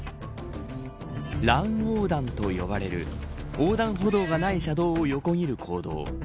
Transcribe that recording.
乱横断と呼ばれる横断歩道がない車道を横切る行動。